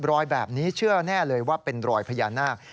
รอยแบบนี้เชื่อแน่เลยว่าเป็นรอยพญานาค